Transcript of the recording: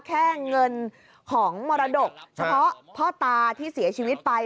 แค่เงินของมรดกเฉพาะพ่อตาที่เสียชีวิตไป